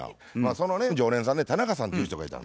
そのね常連さんで田中さんという人がいたの。